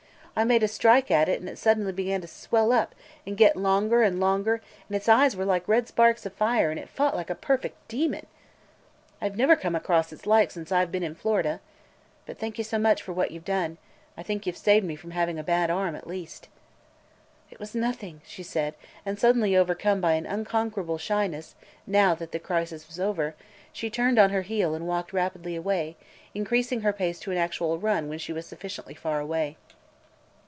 I made a strike at it and it suddenly began to swell up and get longer and longer and its eyes were like red sparks of fire and it fought like a perfect demon! I 've never come across its like since I 've been in Florida. But thank you so much for what you 've done! I think you 've saved me from having a bad arm, at least." "It was nothing!" she said and, suddenly overcome by an unconquerable shyness, now that the crisis was over, she turned on her heel and walked rapidly away, increasing her pace to an actual run when she was sufficiently far away.